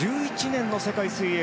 ２０１１年の世界水泳